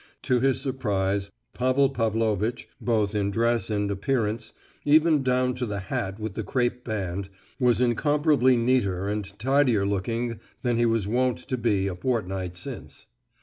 To his surprise Pavel Pavlovitch, both in dress and appearance, even down to the hat with the crape band, was incomparably neater and tidier looking than he was wont to be a fortnight since.